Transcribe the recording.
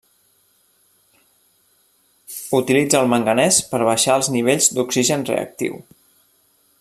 Utilitza el manganès per baixar els nivells d'oxigen reactiu.